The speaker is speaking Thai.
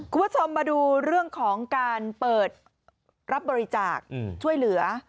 คุณผู้ชมมาดูเรื่องของการเปิดรับบริจาคช่วยเหลือ